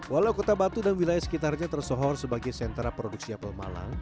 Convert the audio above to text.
walau kota batu dan wilayah sekitarnya tersohor sebagai sentra produksi apel malang